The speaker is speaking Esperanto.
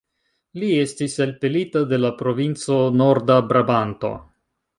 Li estis elpelita de la provinco Norda-Brabanto.